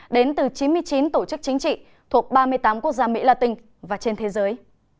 đến từ chín mươi chín tổ chức chính trị thuộc ba mươi tám quốc gia mỹ latin và trên thế giới